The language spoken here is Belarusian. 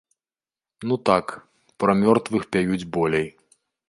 Ну так, пра мёртвых пяюць болей.